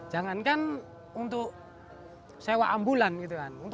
jangan kan untuk sewa ambulan gitu kan